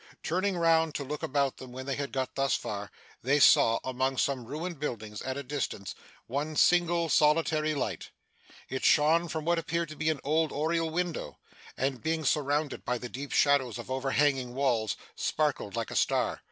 Turning round to look about them when they had got thus far, they saw, among some ruined buildings at a distance, one single solitary light. It shone from what appeared to be an old oriel window, and being surrounded by the deep shadows of overhanging walls, sparkled like a star.